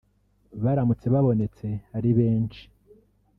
Baramutse babonetse ari benshi